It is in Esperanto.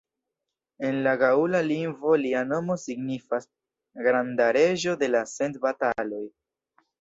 En la gaŭla lingvo lia nomo signifas "granda reĝo de la cent bataloj".